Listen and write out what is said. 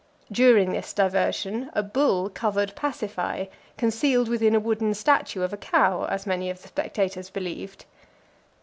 During this diversion, a bull covered Pasiphae, concealed within a wooden statue of a cow, as many of the spectators believed.